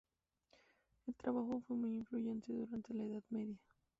El trabajo fue muy influyente durante la Edad Media.